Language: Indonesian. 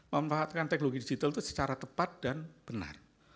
memanfaatkan teknologi digital itu secara tepat dan benar